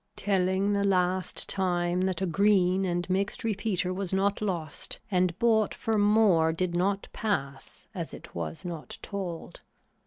Telling the last time that a green and mixed repeater was not lost and bought for more did not pass as it was not told.